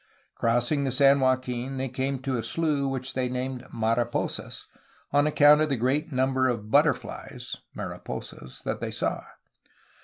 Crossing the San Joaquin they came to a slough which they named '^Mariposas" on account of the great number of but terflies (mariposas) that they saw.